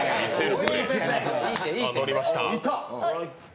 あ、乗りました。